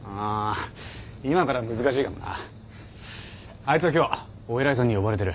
あいつは今日お偉いさんに呼ばれてる。